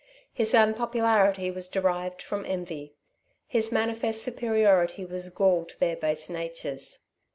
His unpopularity was derived from envy. His manifest superiority was gall to their base natures.